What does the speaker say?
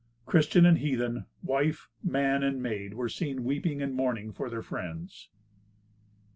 Christian and heathen, wife, man, and maid, were seen weeping and mourning for their friends.